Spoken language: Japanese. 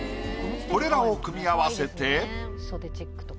これらを組み合わせて。